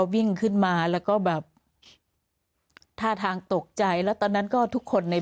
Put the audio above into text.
วิ่งขึ้นมาแล้วก็แบบท่าทางตกใจแล้วตอนนั้นก็ทุกคนใน